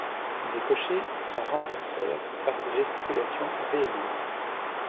Les cochers la renfoncèrent par des gesticulations véhémentes.